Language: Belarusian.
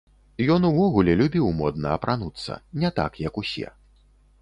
Ён увогуле любіў модна апрануцца, не так, як усе.